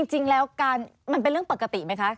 จริงแล้วมันเป็นเรื่องปกติไหมคะ